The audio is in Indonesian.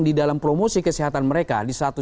di dalam promosi kesehatan mereka di satu